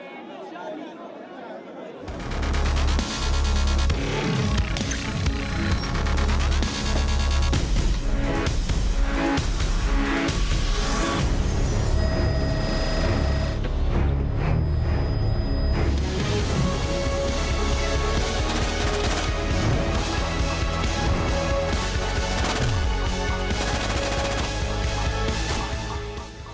โปรดติดตามตอนต่อไป